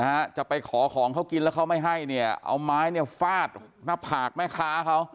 นะฮะจะไปขอของเขากินแล้วเขาไม่ให้เนี่ยเอาไม้เนี่ยฟาดหน้าผากแม่ค้าเขา